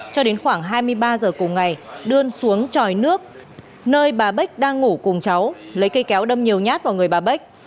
cho đến khoảng hai mươi ba giờ cùng ngày đưa xuống tròi nước nơi bà béch đang ngủ cùng cháu lấy cây kéo đâm nhiều nhát vào người bà bách